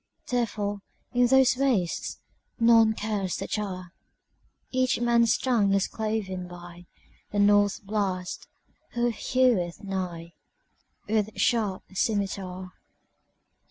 Therefore, in those wastesNone curse the Czar.Each man's tongue is cloven byThe North Blast, who heweth nighWith sharp scymitar.